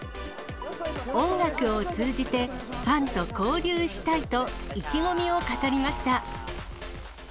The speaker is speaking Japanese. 音楽を通じて、ファンと交流したいと意気込みを語りました。